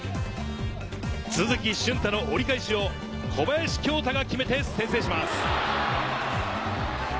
都築駿太の折り返しを小林恭太が決めて先制します。